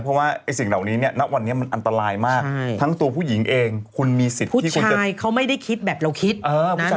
เพราะว่าสิ่งเหล่านี้เนี่ยณวันนี้มันอันตรายมากทั้งตัวผู้หญิงเองคุณมีสิทธิ์ที่คุณจะ